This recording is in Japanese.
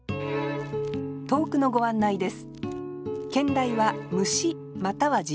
投句のご案内です